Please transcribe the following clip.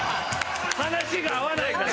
話が合わないから。